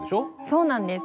そうなんです。